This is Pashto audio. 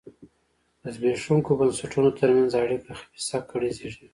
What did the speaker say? د زبېښونکو بنسټونو ترمنځ اړیکه خبیثه کړۍ زېږوي.